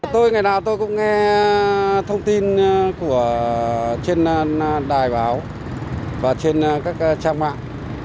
tôi ngày nào tôi cũng nghe thông tin trên đài báo và trên các trang mạng